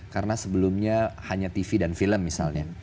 karena sebelumnya hanya tv dan film misalnya